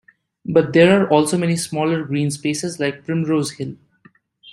But there are also many smaller green spaces, like Primrose Hill.